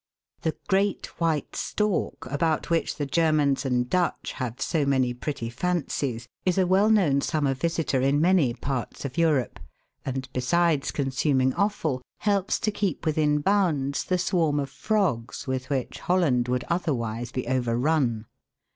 The great White Stork, about which the Germans and Dutch have so many pretty fancies, is a well known summer visitor in many parts of Europe, and, besides consuming offal, helps to keep within bounds the swarm of frogs with which Holland would otherwise be over run.